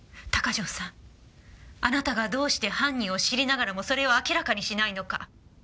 鷹城さんあなたがどうして犯人を知りながらもそれを明らかにしないのか。